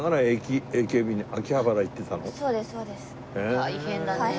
大変だねえ。